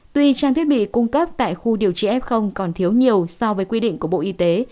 tuy trang thiết bị cung cấp tại khu điều trị f còn thiếu nhiều so với quy định của bộ y tế